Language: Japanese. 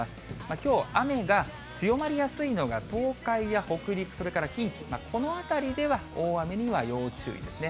きょう雨が強まりやすいのが、東海や北陸、それから近畿、この辺りでは大雨には要注意ですね。